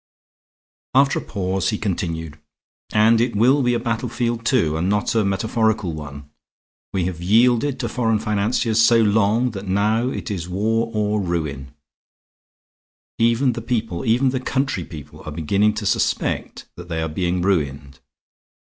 After a pause he continued: "And it will be a battlefield, too, and not a metaphorical one. We have yielded to foreign financiers so long that now it is war or ruin, Even the people, even the country people, are beginning to suspect that they are being ruined.